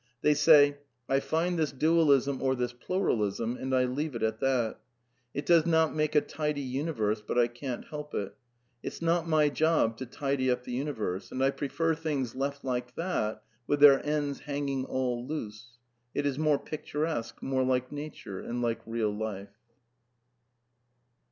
They say : I find this Dualism or this Plural ism, and I leave it at that. It does not make a tidy uni verse, but I can't help it. It's not my job to tidy up the Universe. And I prefer things left like that with their ends hanging all loose; it is more picturesque, more like Nature and like real life.